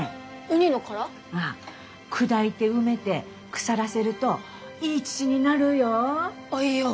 砕いて埋めて腐らせるといい土になるよぅ。